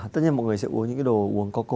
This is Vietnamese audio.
tất nhiên mọi người sẽ uống những cái đồ uống có cồn